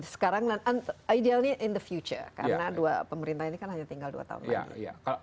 sekarang dan idealnya in the future karena dua pemerintah ini kan hanya tinggal dua tahun lagi